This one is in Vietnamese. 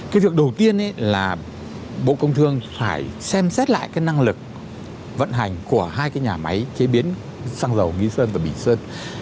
cái việc đầu tiên là bộ công thương phải xem xét lại cái năng lực vận hành của hai cái nhà máy chế biến xăng dầu nghi sơn và bình sơn